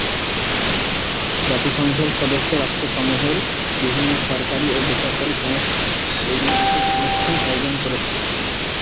জাতিসংঘের সদস্য রাষ্ট্রসমূহের বিভিন্ন সরকারি ও বেসরকারি সংস্থা এই দিনে বিশেষ অনুষ্ঠান আয়োজন করে থাকে।